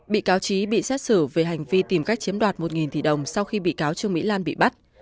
bị cáo trí bị xét xử về hành vi tìm cách chiếm đoạt một tỷ đồng sau khi bị cáo trương mỹ lan bị bắt